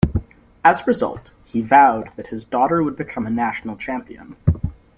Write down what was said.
As a result, he vowed that his daughter would become a national champion.